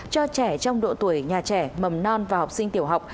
cho trẻ trong độ tuổi nhà trẻ mầm non và học sinh tiểu học